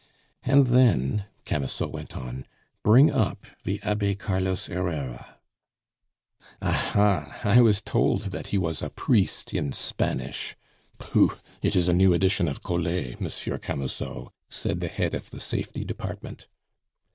"And then," Camusot went on, "bring up the Abbe Carlos Herrera." "Ah, ha! I was told that he was a priest in Spanish. Pooh! It is a new edition of Collet, Monsieur Camusot," said the head of the Safety department.